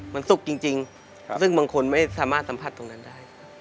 มันสุกจริงซึ่งบางคนไม่สามารถสัมผัสตรงนั้นได้